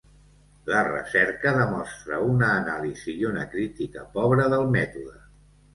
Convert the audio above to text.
La recerca demostra una anàlisi i una crítica pobra del mètode.